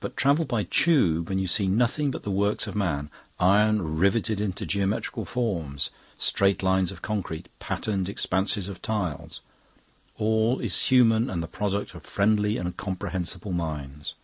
But travel by Tube and you see nothing but the works of man iron riveted into geometrical forms, straight lines of concrete, patterned expanses of tiles. All is human and the product of friendly and comprehensible minds.